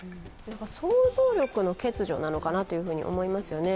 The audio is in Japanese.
想像力の欠如なのかなと思いますよね。